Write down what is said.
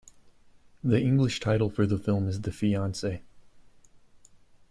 The English title for the film is The Fiancee.